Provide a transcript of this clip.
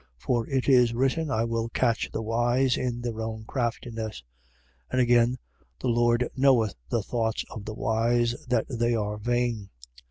For it is written: I will catch the wise in their own craftiness. 3:20. And again: The Lord knoweth the thoughts of the wise, that they are vain.